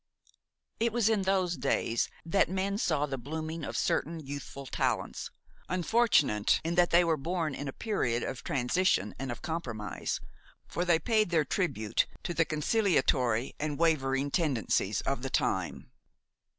It was in those days that men saw the blooming of certain youthful talents, unfortunate in that they were born in a period of transition and of compromise; for they paid their tribute to the conciliatory and wavering tendencies of the time.